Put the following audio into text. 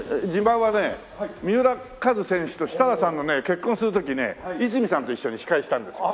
三浦カズ選手と設楽さんのね結婚する時ね逸見さんと一緒に司会したんですよ。